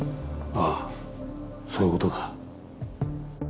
あぁそういうことだ。